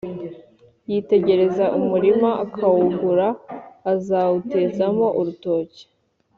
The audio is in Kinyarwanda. Yitegereza umurima akawugura, azawutezamo urutoki